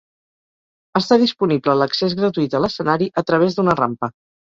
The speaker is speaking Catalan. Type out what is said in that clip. Està disponible l'accés gratuït a l'escenari a través d'una rampa.